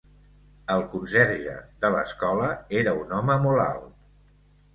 El conserge de l'escola era un home molt alt